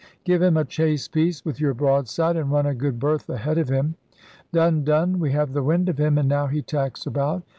*Give him a chase piece with your broadside, and run a good berth a head of him!* *Done, done!' *We have the wind of him, and now he tacks about!'